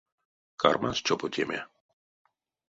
Кармась чопотеме.